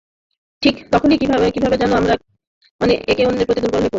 ঠিক তখনই কীভাবে যেন আমরা একে অন্যের প্রতি দুর্বল হয়ে পড়ি।